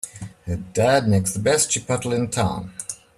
Her dad makes the best chipotle in town!